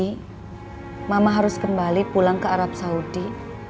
mama harus kembali pulang ke arab saudi